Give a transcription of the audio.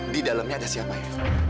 di dalamnya ada siapa ya